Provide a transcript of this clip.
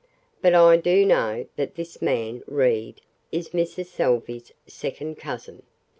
"But I do know that this man, Reed, is Mrs. Salvey's second cousin.